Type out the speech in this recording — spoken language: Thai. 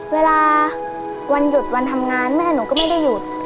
เวลาวันหยุดวันทำงานแม่หนูก็ไม่ได้หยุด